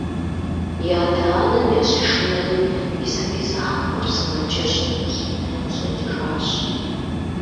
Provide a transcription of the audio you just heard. И адэ-анэм ящышынэри и сабий закъуэр сымаджэщым къыщӏинэри къыщӏэкӏыжащ.